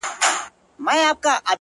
د گريوان ډورۍ ته دادی ځان ورسپاري،